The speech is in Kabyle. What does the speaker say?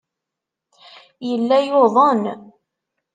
Yella yuḍen.